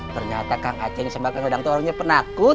ternyata kang aceh yang sembahkan gedang toronnya penakut